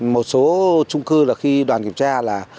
một số trung cư là khi đoàn kiểm tra là